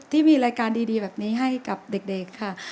ที่มีรายการดีแบบนี้ให้กับเด็กค่ะ